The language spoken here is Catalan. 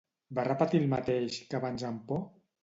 Va repetir el mateix que abans amb por?